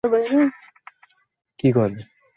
সংসারে ভূতের ভয়টাই প্রচলিত।